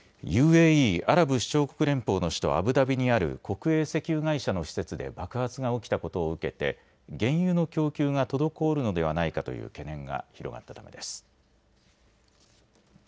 ＵＡＥ・アラブ首長国連邦の首都アブダビにある国営石油会社の施設で爆発が起きたことを受けて原油の供給が滞るのではないかという懸念が広がったためです。